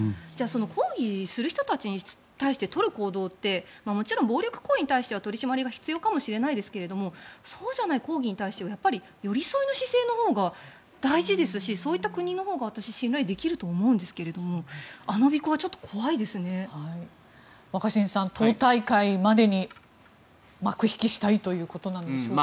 抗議する人たちに対して取る行動ってもちろん暴力行為に対しては取り締まりが必要かもしれませんがそうじゃないものに対しては寄り添いの姿勢のほうが大事ですしそういった国のほうが信頼できると思うんですが若新さん党大会までに幕引きしたいということなんでしょうか。